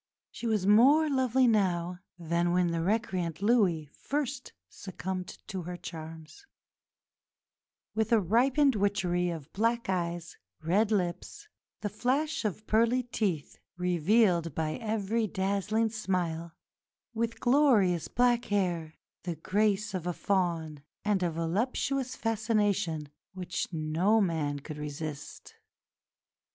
She was more lovely now than when the recreant Louis first succumbed to her charms with a ripened witchery of black eyes, red lips, the flash of pearly teeth revealed by every dazzling smile, with glorious black hair, the grace of a fawn, and a "voluptuous fascination" which no man could resist.